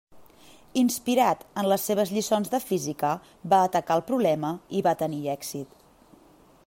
Inspirat en les seves lliçons de física va atacar el problema i va tenir èxit.